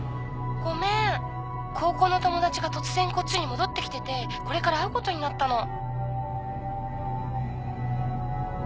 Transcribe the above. ごめん高校の友達が突然こっちに戻ってきててこれから会うことになったの